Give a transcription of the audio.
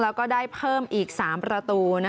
แล้วก็ได้เพิ่มอีก๓ประตู